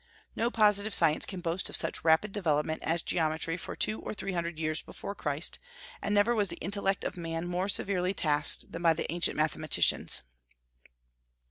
No positive science can boast of such rapid development as geometry for two or three hundred years before Christ, and never was the intellect of man more severely tasked than by the ancient mathematicians.